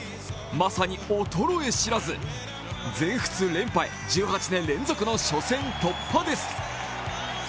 まさに衰え知らず、全仏連覇へ１８年連続の初戦突破です。